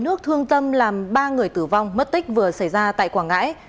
nước thương tâm làm ba người tử vong mất tích vừa xảy ra tại quảng ngãi